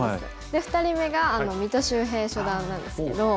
で２人目が三戸秀平初段なんですけど。